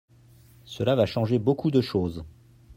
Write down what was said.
Cela va changer beaucoup de choses.